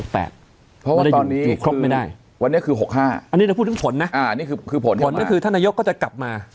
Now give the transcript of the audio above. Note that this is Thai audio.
เพราะว่าตอนนี้คือวันนี้คือ๖๕อันนี้จะพูดถึงผลนะผลนี่คือถ้านายกก็จะกลับมา